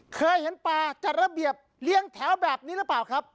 เคยเห็นปลาจัดระเบียบเลี้ยงแถวแบบนี้หรือเปล่าครับ